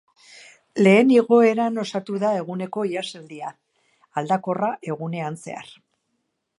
Lehen igoeran osatu da eguneko ihesaldia, aldakorra egunean zehar.